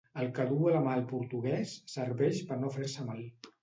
El que duu a la mà el portuguès serveix per no fer-se mal.